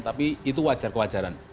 tapi itu wajar kewajaran